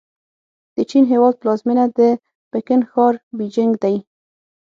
د چین هېواد پلازمېنه د پکن ښار بیجینګ دی.